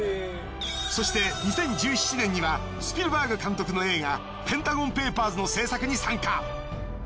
そして２０１７年にはスピルバーグ監督の映画『ペンタゴン・ペーパーズ』の制作に参加。